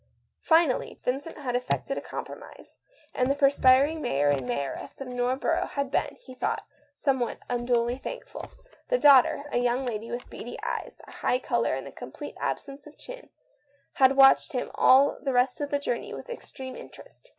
Finally, Vincent had effected a compromise, and the perspiring mayor and mayoress of Northborough had been, he thought, somewhat unduly thankful. The daughter, a young lady with beady eyes, a high colour, and a complete absence of chin, had watched him all the rest of the journey with extreme interest.